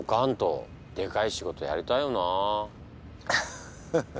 ハッハハ。